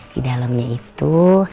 di dalamnya itu